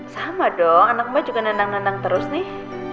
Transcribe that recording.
sama dong anak mbak juga nendang nendang terus nih